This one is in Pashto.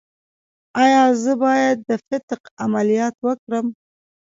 ایا زه باید د فتق عملیات وکړم؟